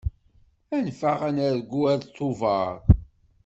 Anef-aɣ ad nerǧu ar Tubeṛ.